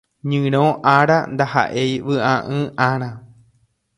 Ñyrõ Ára ndahaʼéi vyʼaʼỹ ára.